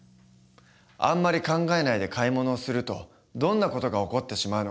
あんまり考えないで買い物をするとどんな事が起こってしまうのか。